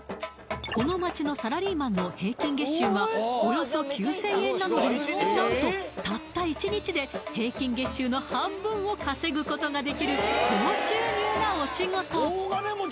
この街のサラリーマンの平均月収がおよそ９０００円なので何とたった１日で平均月収の半分を稼ぐことができる高収入なお仕事！